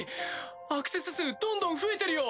アクセス数どんどん増えてるよ！